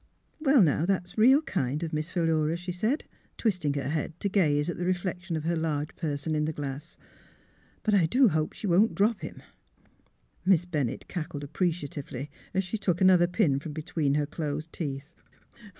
'' Well, now, that's real kind of Miss Philura," she said, twisting her head to gaze at the reflection of her large person in the glass. " But I do hope she won't drop him." Miss Bennett cackled appreciatively as she took another pin from between her closed teeth.